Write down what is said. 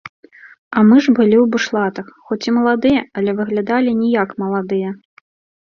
А мы ж былі ў бушлатах, хоць і маладыя, але выглядалі не як маладыя.